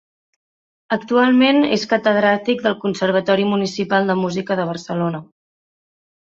Actualment, és catedràtic del Conservatori Municipal de Música de Barcelona.